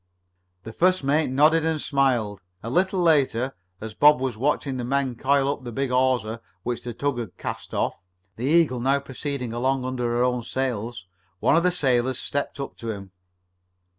The first mate nodded and smiled. A little later, as Bob was watching the men coil up the big hawser which the tug had cast off, the Eagle now proceeding along under her own sails, one of the sailors stepped up to him.